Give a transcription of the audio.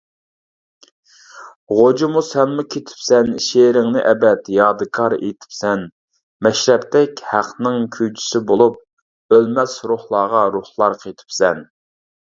غوجىمۇ، سەنمۇ كېتىپسەن، شېئىرىڭنى ئەبەد يادىكار ئېتىپسەن، مەشرەپتەك ھەقنىڭ كۈيچىسى بولۇپ، ئۆلمەس روھلارغا روھلار قېتىپسەن!